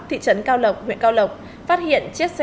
thị trấn cao lộc huyện cao lộc phát hiện chiếc xe ô tô